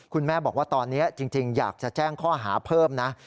คุณแม่บอกว่าตอนนี้จริงอยากจะแจ้งข้อหาเพิ่มนะ